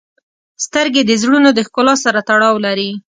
• سترګې د زړونو د ښکلا سره تړاو لري.